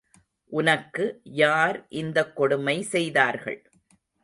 உனக்கு யார் இந்தக் கொடுமை செய்தார்கள்.